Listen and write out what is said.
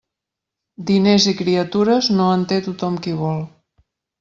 Diners i criatures, no en té tothom qui vol.